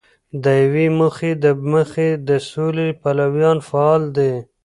د یوې موخی د مخې د سولې پلویان فعال دي.